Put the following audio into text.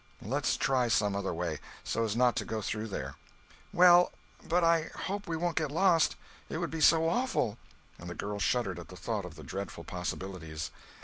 Let's try some other way, so as not to go through there." "Well. But I hope we won't get lost. It would be so awful!" and the girl shuddered at the thought of the dreadful possibilities.